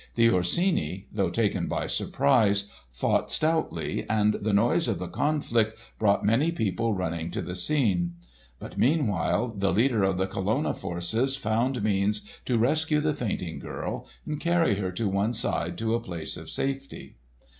The Orsini, though taken by surprise, fought stoutly, and the noise of the conflict brought many people running to the scene. But meanwhile the leader of the Colonna forces found means to rescue the fainting girl and carry her to one side to a place of safety.